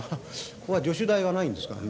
ここは助手台はないんですか？」。